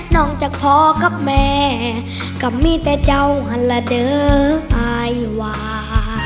อกจากพ่อกับแม่ก็มีแต่เจ้าหันละเด้ออายวา